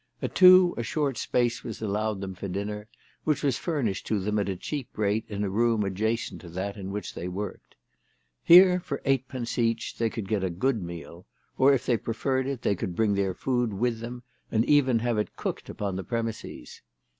At two a short space was allowed them for dinner, which was furnished to them at a cheap rate in a room adjacent to that in which they worked. Here for eightpence each they could get a good meal, or if they preferred it they could bring their food with them, and even have it cooked upon the premises.